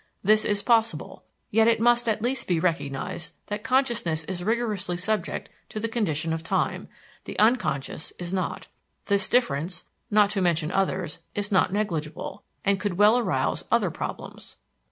This is possible. Yet it must at least be recognized that consciousness is rigorously subject to the condition of time, the unconscious is not. This difference, not to mention others, is not negligible, and could well arouse other problems.